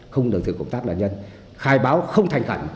không được sự cộng tác của nạn nhân khai báo không thành khẩn